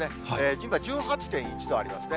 今、１８．１度ありますね。